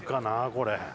これ。